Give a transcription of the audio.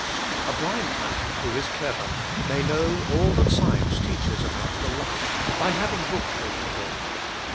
A blind man, who is clever, may know all that science teaches about the light, by having books read to him.